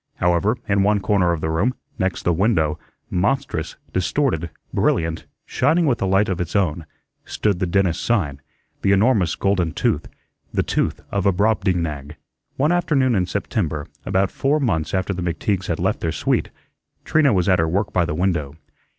However, in one corner of the room, next the window, monstrous, distorted, brilliant, shining with a light of its own, stood the dentist's sign, the enormous golden tooth, the tooth of a Brobdingnag. One afternoon in September, about four months after the McTeagues had left their suite, Trina was at her work by the window.